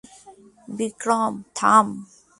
বিক্রম, থাম।